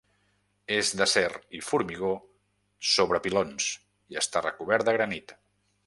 És d'acer i formigó sobre pilons, i està recobert de granit.